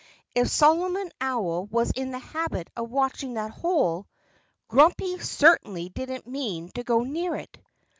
If Solomon Owl was in the habit of watching that hole Grumpy certainly didn't mean to go near it.